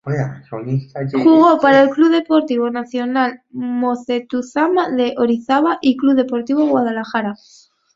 Jugó para el Club Deportivo Nacional, Moctezuma de Orizaba y Club Deportivo Guadalajara.